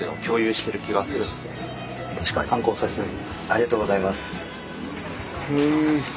ありがとうございます。